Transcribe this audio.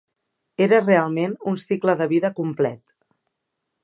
Era realment un cicle de vida complet.